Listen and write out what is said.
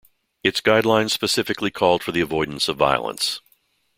Its guidelines specifically called for the avoidance of violence.